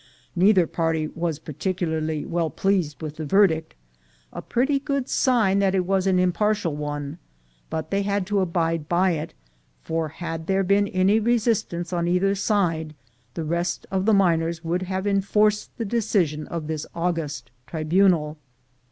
Neither party was particularly well pleased with the verdict — a pretty good sign that it was an im partial one ; but they had to abide by it, for had there been any resistance on either side, the rest of the miners would have enforced the decision of this august tribunal.